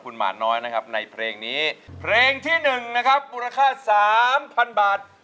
สำหรับเลขที่หนึ่งนะครับมูลค่า๓๐๐๐บาทนะครับ